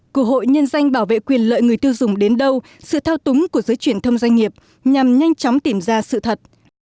cơ hội nhân danh bảo vệ quyền lợi người tiêu dùng đến đâu sự thao túng của giới truyền thông doanh nghiệp nhằm nhanh chóng tìm ra sự thật